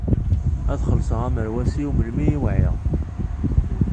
Ad xellṣeɣ amerwas-iw melmi i wɛiɣ.